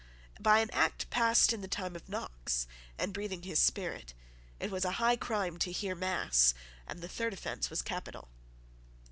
By an Act passed in the time of Knox, and breathing his spirit, it was a high crime to hear mass, and the third offence was capital.